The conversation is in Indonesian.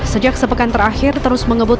sejak sepekan terakhir terus mengebut